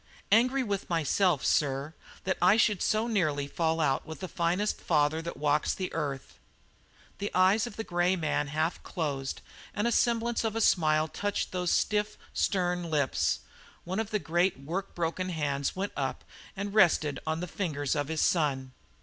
"Angry with myself, sir, that I should so nearly fall out with the finest father that walks the earth." The eyes of the grey man half closed and a semblance of a smile touched those stiff, stern lips; one of the great work broken hands went up and rested on the fingers of his son.